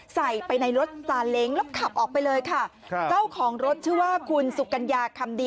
ใส่ไปในรถซาเล้งแล้วขับออกไปเลยค่ะครับเจ้าของรถชื่อว่าคุณสุกัญญาคำดี